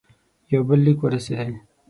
یو بل لیک ورسېدی.